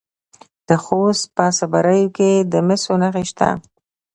د خوست په صبریو کې د مسو نښې شته.